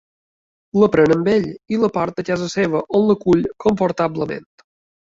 La pren amb ell i la porta a casa seva on l’acull confortablement.